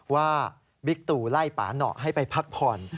ว่าบิ๊กตูไล่ป่าเหนาะให้ไปพักผ่อน